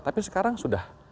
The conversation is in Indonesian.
tapi sekarang sudah